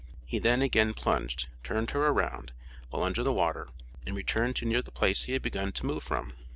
He then again plunged, turned her around, while under the water, and returned to near the place he began to move from.